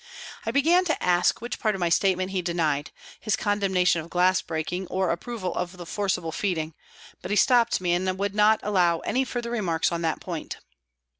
I began to ask which part of my statement he denied his condemnation of glass breaking or approval of the forced feeding, but he stopped me and would not allow any further remarks on that point.